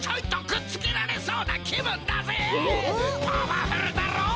パワフルだろ？